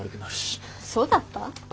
そうだった？